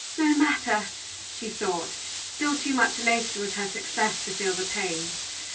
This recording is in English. "No matter," she thought, still too much elated with her success to feel the pain.